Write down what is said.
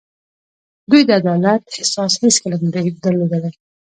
دوی د عدالت احساس هېڅکله نه دی درلودلی.